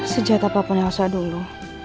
sejahtera apa pun yang usah dulu